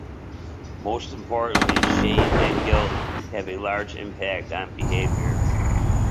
Most importantly, shame and guilt have a large impact on behavior.